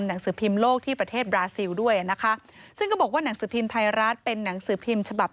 หนังสือพิมพ์โลกที่ประเทศบราซิลด้วยนะคะซึ่งก็บอกว่าหนังสือพิมพ์ไทยรัฐเป็นหนังสือพิมพ์ฉบับ